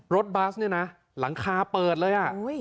บัสเนี่ยนะหลังคาเปิดเลย